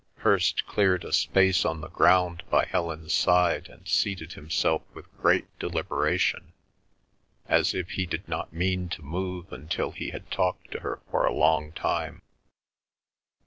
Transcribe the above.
Hirst cleared a space on the ground by Helen's side, and seated himself with great deliberation, as if he did not mean to move until he had talked to her for a long time.